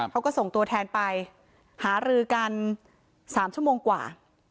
เขาก็ส่งตัวแทนไปหารือกัน๓ชั่วโมงกว่า